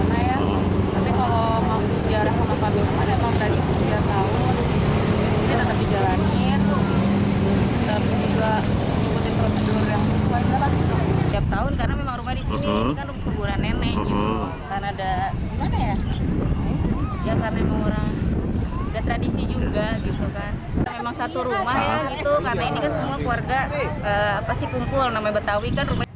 namanya betawi kan rumah ini